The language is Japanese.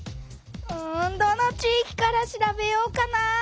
うんどの地いきから調べようかな？